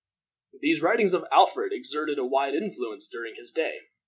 These writings of Alfred exerted a wide influence during his day.